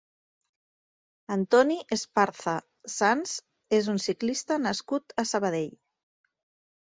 Antoni Esparza Sanz és un ciclista nascut a Sabadell.